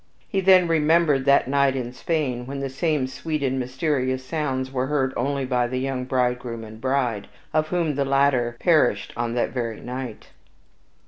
He then remembered that night in Spain, when the same sweet and mysterious sounds were heard only by the young bridegroom and bride, of whom the latter perished on that very night.